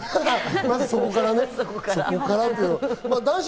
まずそこからね。